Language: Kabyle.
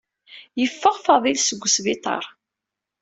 Yeffeɣ Faḍil seg usbiṭar.